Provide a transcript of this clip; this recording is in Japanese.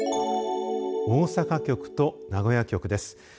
大阪局と名古屋局です。